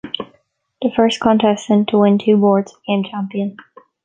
The first contestant to win two boards became champion.